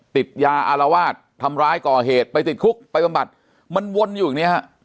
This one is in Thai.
ติดยาอลวาททำร้ายก่อเหตุไปติดคุกไปบำบัดมันวนอยู่เนี่ย